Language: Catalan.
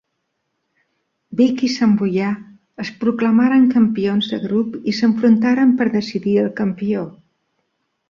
Vic i Santboià es proclamaren campions de grup i s'enfrontaren per decidir el campió.